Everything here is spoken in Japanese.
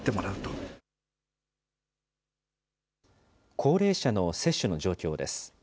高齢者の接種の状況です。